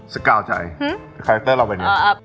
สกาวใจคาแคคเตอร์เราเป็นไง